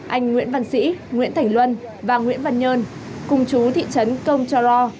anh nguyễn văn sĩ nguyễn thành luân và nguyễn văn nhơn cung chú thị trấn công cho lo